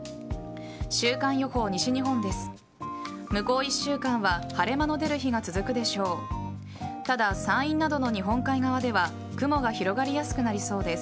週間予報、西日本です。